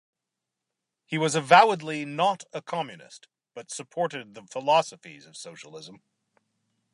He was avowedly not a Communist, but supported the philosophies of socialism.